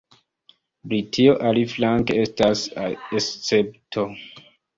Britio, aliflanke, estas escepto.